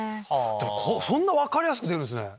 そんな分かりやすく出るんすね。